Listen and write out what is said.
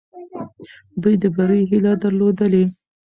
دوی د بري هیله درلودلې.